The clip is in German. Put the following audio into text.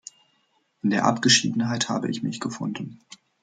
In der Abgeschiedenheit habe ich mich gefunden.